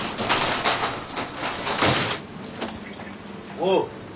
おう。